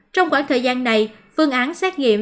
trong quãng thời gian này phương án xét nghiệm